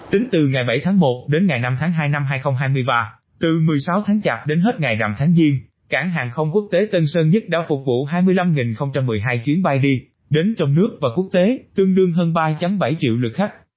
tính từ ngày bảy tháng một đến ngày năm tháng hai năm hai nghìn hai mươi ba từ một mươi sáu tháng chạp đến hết ngày rằm tháng giêng cảng hàng không quốc tế tân sơn nhất đã phục vụ hai mươi năm một mươi hai chuyến bay đi đến trong nước và quốc tế tương đương hơn ba bảy triệu lượt khách